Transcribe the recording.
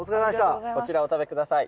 こちらお食べ下さい。